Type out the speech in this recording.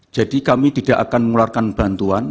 jadi kami tidak akan mengeluarkan bantuan